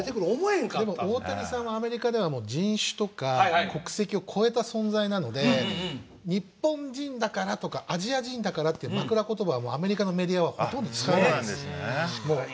でも大谷選手はアメリカでは人種や国籍を超えた存在なので日本人だからとかアジア人だからというまくら言葉はアメリカのメディアはほとんど使っていないです。